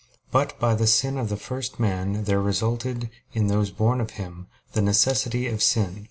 But by the sin of the first man there resulted, in those born of him, the necessity of sin.